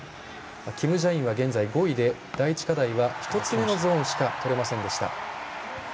キム・ジャインは現在５位で第１課題は１つ目のゾーンしかとれませんでした。